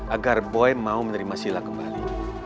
agar boy mau menerima sila kembali